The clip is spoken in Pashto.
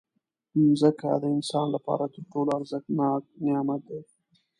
مځکه د انسان لپاره تر ټولو ارزښتناک نعمت دی.